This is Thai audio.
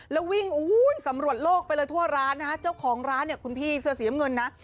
แล้ววิ่งสำรวจโลกไปเลยทั่วร้านนะฮะเจ้าของร้านเนี่ยคุณพี่เสื้อสีน้ำเงินนะ